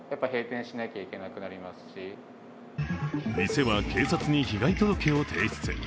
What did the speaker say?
店は警察に被害届を提出。